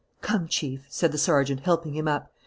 "Come, Chief," said the sergeant, helping him up.